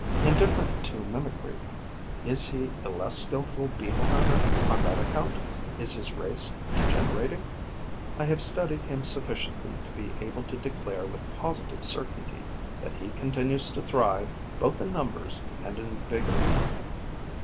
Indifferent to mimicry, is he the less skilful Beetle hunter on that account, is his race degenerating? I have studied him sufficiently to be able to declare with positive certainty that he continues to thrive both in numbers and in vigour.